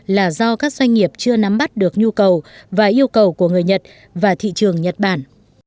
là do các doanh nghiệp chưa nắm bắt được nhu cầu và yêu cầu của người nhật và thị trường nhật bản